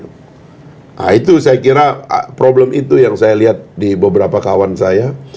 nah itu saya kira problem itu yang saya lihat di beberapa kawan saya